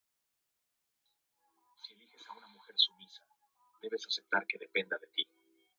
como hable de tus ojos infinito